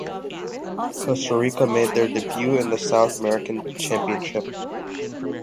Costa Rica made their debut in the South American Championship.